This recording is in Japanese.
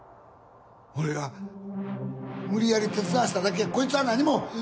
俺が無理やり手伝わせただけやこいつは何も！